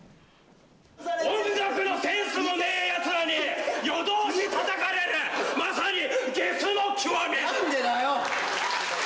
音楽のセンスもねえやつに夜通したたかれるまさにゲスの極み！